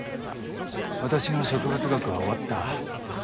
私の植物学は終わった。